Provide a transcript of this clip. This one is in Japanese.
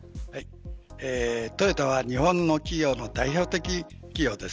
トヨタは日本の代表的な企業です。